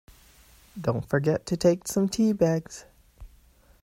Don't forget to take some tea bags!